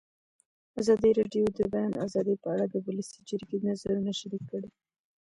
ازادي راډیو د د بیان آزادي په اړه د ولسي جرګې نظرونه شریک کړي.